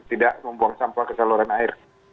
tidak membuang sampah ke saluran air